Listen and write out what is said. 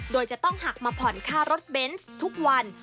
โดยจะต้องหักมาผ่อนค่ารถเบนส์ทุกวัน